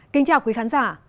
kính chào quý khán giả